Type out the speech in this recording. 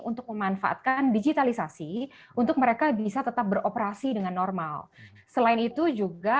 untuk memanfaatkan digitalisasi untuk mereka bisa tetap beroperasi dengan normal selain itu juga